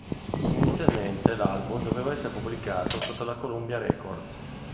Inizialmente l'album doveva essere pubblicato sotto la Colombia Records.